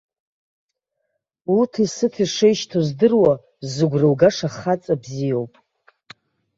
Уҭысыҭи шеишьҭоу здыруа, зыгәра угаша хаҵа бзиоуп.